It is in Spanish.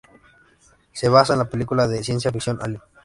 Se basa en la película de ciencia ficción Alien.